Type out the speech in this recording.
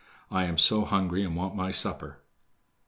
I am so hungry and want my supper."